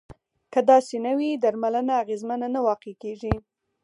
که داسې نه وي درملنه اغیزمنه نه واقع کیږي.